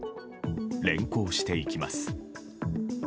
連行していきます。